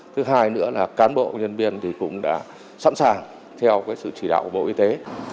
thứ hai nữa là cán bộ nhân viên cũng đã sẵn sàng theo sự chỉ đạo của bộ y tế